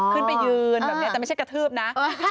ขึ้นไปยืนแบบนี้แต่ไม่ใช่กระทืบนะ